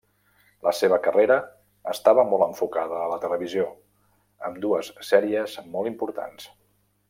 La seva carrera estava molt enfocada a la televisió, amb dues sèries molt importants.